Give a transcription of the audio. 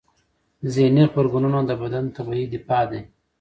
ذهني غبرګونونه د بدن طبیعي دفاع دی.